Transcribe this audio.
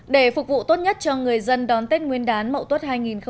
để phục vụ tốt nhất cho người dân đón tết nguyên đán mậu tuất hai nghìn một mươi tám